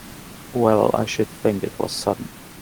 Well I should think it was sudden!